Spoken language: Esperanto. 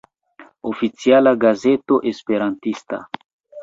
Oficiala Gazeto Esperantista.